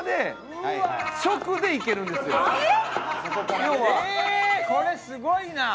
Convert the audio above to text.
これすごいな。